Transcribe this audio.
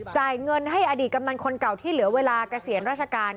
จ่ายเงินให้อดีตกำนันคนเก่าที่เหลือเวลาเกษียณราชการ